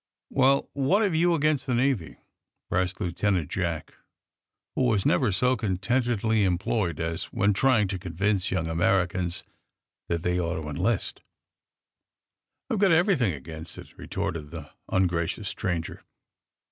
"Well, what have you against the Navy?" pressed Lieutenant Jack, who was never so con tentedly employed as when trying to convince young Americans that they ought to enlist. 38 THE SUBMARINE BOYS IVe got every thing against it," retorted the Tingracions stranger.